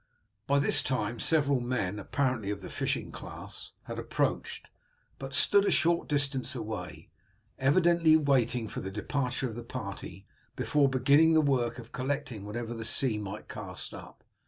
By this time several men, apparently of the fishing class, had approached, but stood a short distance away, evidently waiting for the departure of the party before beginning the work of collecting whatever the sea might cast up.